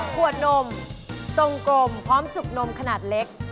ขวดนมทรงกลมพร้อมจุกนมขนาดเล็ก